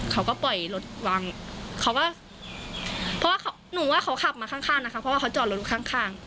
เขาก็ปล่อยรถวางเขาก็เพราะว่าหนูว่าเขาขับมาข้างข้างนะคะเพราะว่าเขาจอดรถข้างข้าง